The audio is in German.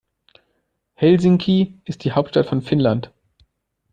Helsinki ist die Hauptstadt von Finnland.